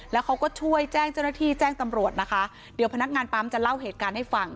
แล้วเขาก็ช่วยแจ้งเจ้าหน้าที่แจ้งตำรวจนะคะเดี๋ยวพนักงานปั๊มจะเล่าเหตุการณ์ให้ฟัง